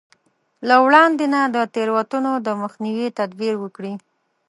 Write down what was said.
له وړاندې نه د تېروتنو د مخنيوي تدبير وکړي.